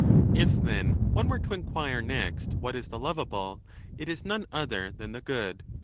If,' then, one were to inquire next what is the lovable, it is none other than the good.